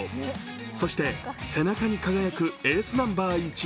そして背中に輝くエースナンバー、１。